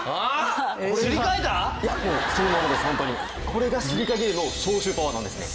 これがシリカゲルの消臭パワーなんですね。